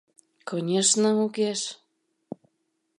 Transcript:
— Конешне, огеш...